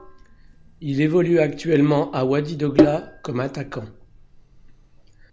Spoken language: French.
Il évolue actuellement à Wadi Degla comme attaquant.